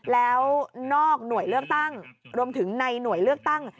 แล้วนอกหน่วยเลือกตั้งรวมถึงในหน่วยเลือกตั้ง